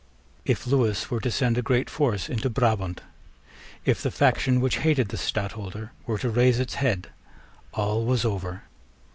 If Lewis were to send a great force into Brabant, if the faction which hated the Stadtholder were to raise its head, all was over.